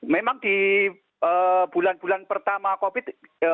memang di bulan bulan pertama covid